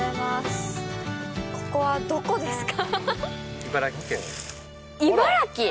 ここはどこですか？